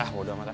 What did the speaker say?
ah bodo amat lah